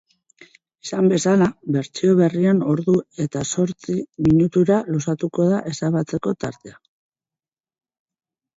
Esan bezala, bertsio berrian ordu eta zortzi minutura luzatuko da ezabatzeko tartea.